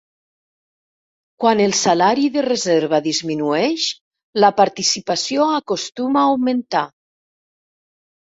Quan el salari de reserva disminueix, la participació acostuma a augmentar.